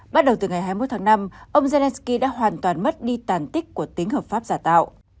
bắt đầu từ ngày hai mươi một tháng năm ông zelensky đã hoàn toàn mất đi tàn tích của tính hợp pháp giả tạo